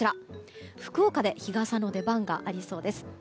福岡で日傘の出番がありそうです。